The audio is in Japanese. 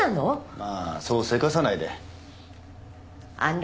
まぁそうせかさないであんな